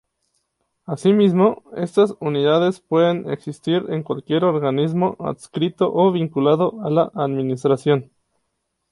Asimismo, estas unidades pueden existir en cualquier organismo adscrito o vinculado a la Administración.